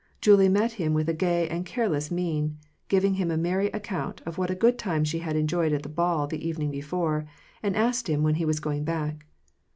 Julie met him with a gay and careless mien, gave him a merry account of what a good time she had enjoyed at the ball the evening before, and asked him when he was going back.